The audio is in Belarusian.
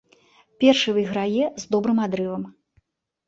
Першы выйграе з добрым адрывам.